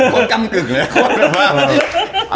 กรรมกึ่งเลยละ